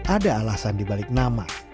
ada alasan di balik nama